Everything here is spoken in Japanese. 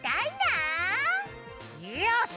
よし！